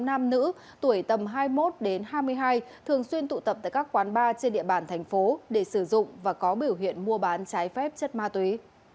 nam nữ tuổi tầm hai mươi một đến hai mươi hai thường xuyên tụ tập tại các quán bar trên địa bàn thành phố để sử dụng và có biểu hiện mua bán trái phép chất ma túy